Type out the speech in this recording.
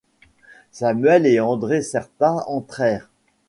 Samuel et André Certa entrèrent.